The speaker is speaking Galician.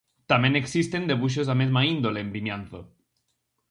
Tamén existen debuxos da mesma índole en Vimianzo.